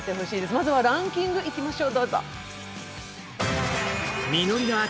まずはランキングいきましょう。